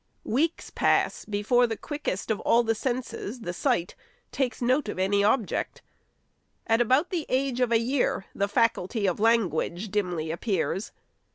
Weeks pass, before the quickest of all the senses — the sight — takes note of any object. At about the age of a year, the faculty of language dimly appears.